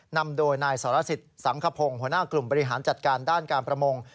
นำโดยนายสรสิทธิ์สังขพงศ์หัวหน้ากลุ่มบริหารจัดการด้านการประมง